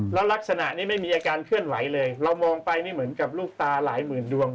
แล้วลักษณะนี้ไม่มีอาการเคลื่อนไหวเลยเรามองไปนี่เหมือนกับลูกตาหลายหมื่นดวง